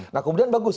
nah kemudian bagus